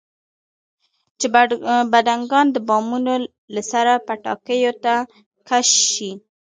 چې بډنکان د بامونو له سره پټاکیو ته کش شي.